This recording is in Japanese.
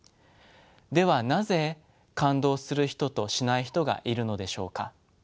ではなぜ感動する人としない人がいるのでしょうか。